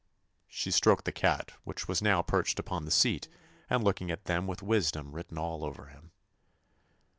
She stroked the cat which was now perched upon the seat and looking at them with wisdom written all over him.